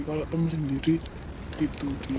kalau teman sendiri itu di